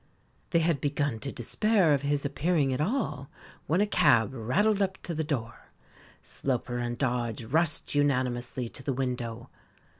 They had begun to despair of his appearing at all, when a cab rattled up to the door. Sloper and Dodge rushed unanimously to the window.